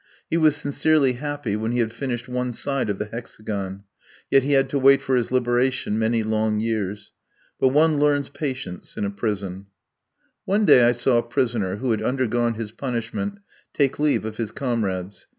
He was sincerely happy when he had finished one side of the hexagon; yet he had to wait for his liberation many long years. But one learns patience in a prison. One day I saw a prisoner, who had undergone his punishment, take leave of his comrades.